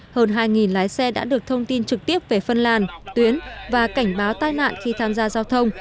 hơn hai lái xe đã được thông tin trực tiếp về phân làn tuyến và cảnh báo tai nạn khi tham gia giao thông